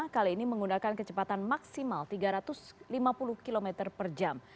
kali ini menggunakan kecepatan maksimal tiga ratus lima puluh km per jam